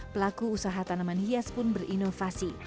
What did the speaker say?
pelaku usaha tanaman hias pun berinovasi